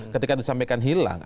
ketika disampaikan hilang